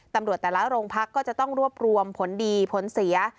แต่ละโรงพักก็จะต้องรวบรวมผลดีผลเสีย